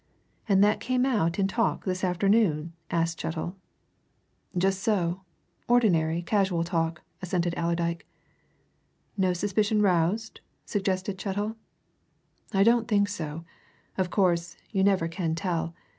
"All that came out in talk this afternoon?" asked Chettle. "Just so. Ordinary, casual talk," assented Allerdyke. "No suspicion roused?" suggested Chettle. "I don't think so. Of course, you never can tell.